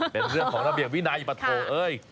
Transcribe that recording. เป็นเรื่องของระเบียบวินัยปะโถเอ้ย